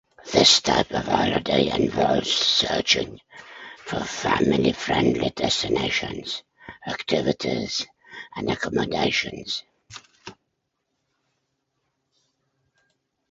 This type of holiday involves searching for family-friendly destinations, activities, and accommodations.